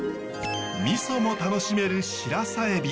ミソも楽しめるシラサエビ。